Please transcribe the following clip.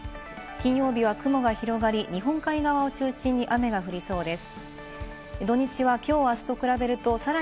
金曜日は雲が広がり、日本海側を中心に雨が降りそうです。